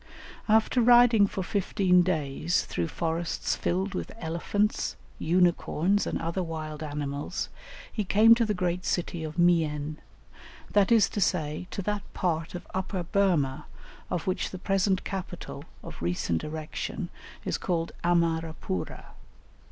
After riding for fifteen days through forests filled with elephants, unicorns, and other wild animals, he came to the great city of Mien; that is to say, to that part of Upper Burmah, of which the present capital, of recent erection, is called Amarapura.